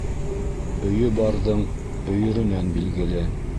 Өйө барҙың өйөрөнән билгеле.